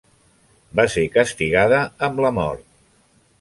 Va ser castigada amb la mort.